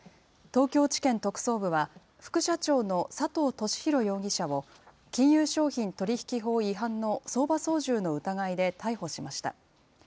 東京地検特捜部は、副社長の佐藤俊弘容疑者を金融商品取引法違反の相場操縦の疑いで逮捕しました。